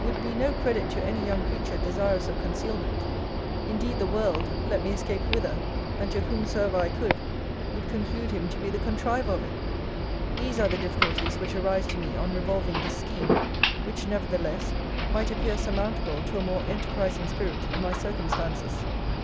would be no credit to any young creature desirous of concealment. Indeed the world, let me escape whither, and to whomsoever I could, would conclude him to be the contriver of it. These are the difficulties which arise to me on revolving this scheme; which, nevertheless, might appear surmountable to a more enterprising spirit in my circumstances.